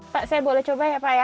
pak saya boleh coba ya pak ya